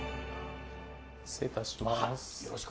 失礼いたします。